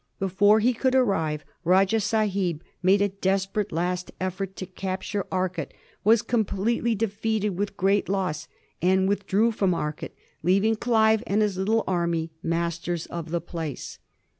Before they could arrive. Rajah Sahib made a desperate last effort to capture Arcot, was completely defeated with great loss, and withdrew from Arcot, leaving Clive and his little army masters of the place.